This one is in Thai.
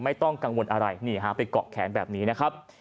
ไม่ต้องกังวลอะไรนี่ฮะไปเกาะแขนแบบนี้นะครับ